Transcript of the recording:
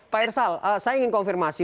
pak irsal saya ingin konfirmasi